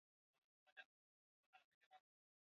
Chanjo za ugonjwa huo zipo ingawa haziko Kenya